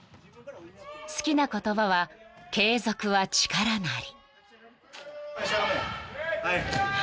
［好きな言葉は「継続は力なり」］